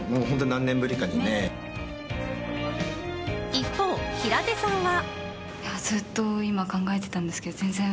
一方、平手さんは。